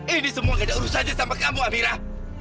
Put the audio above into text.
ini semua agak rusak sama kamu amirah